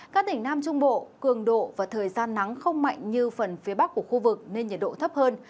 các tỉnh nam trung bộ cường độ và thời gian nắng không mạnh như phần phía bắc của khu vực nên nhiệt độ thấp hơn